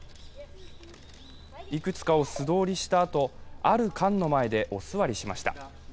いくつかを素通りしたあと、ある缶の前でお座りしました。